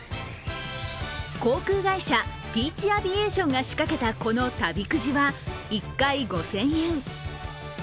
航空会社ピーチ・アビエーションが仕掛けたこの旅くじは１回５０００円。